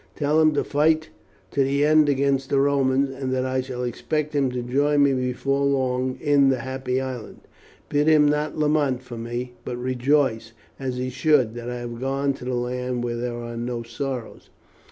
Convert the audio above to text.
Tell him to fight to the end against the Romans, and that I shall expect him to join me before long in the Happy Island. Bid him not lament for me, but rejoice, as he should, that I have gone to the Land where there are no sorrows.'